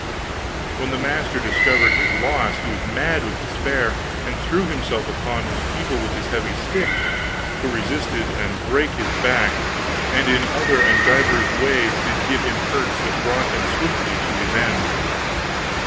When the master discovered his loss, he was mad with despair, and threw himself upon his people with his heavy stick, who resisted and brake his back and in other and divers ways did give him hurts that brought him swiftly to his end."